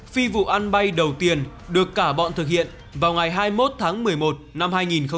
phi vụ ăn bay đầu tiên được cả bọn thực hiện vào ngày hai mươi một tháng một mươi một năm hai nghìn một mươi tám